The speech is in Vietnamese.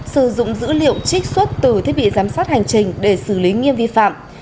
sử dụng dữ liệu trích xuất từ thiết bị giám sát hành trình để xử lý nghiêm vi phạm